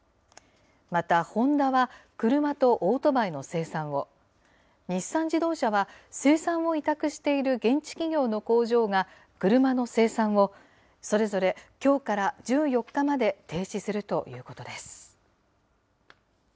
また、ホンダは車とオートバイの生産を、日産自動車は生産を委託している現地企業の工場が車の生産を、それぞれきょうから１４日まで停止するということです。